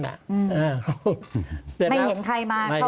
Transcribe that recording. ไม่เห็นใครเข้ามาด้วย